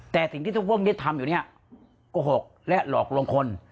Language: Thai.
แต่สิ่งที่ทุกพวกนี้ทำอยู่เนี่ยโกหกและหลอกลงคน